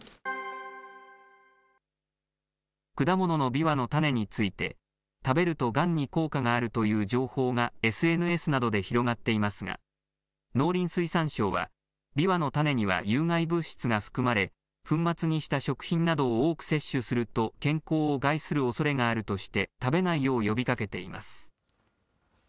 果物のビワの種について、食べるとがんに効果があるという情報がＳＮＳなどで広がっていますが、農林水産省は、ビワの種には有害物質が含まれ、粉末にした食品などを多く摂取すると健康を害するおそれがあるとして、食べないよう呼びかけています。